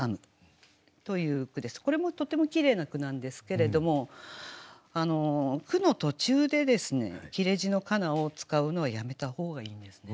これもとてもきれいな句なんですけれども句の途中で切字の「かな」を使うのはやめた方がいいんですね。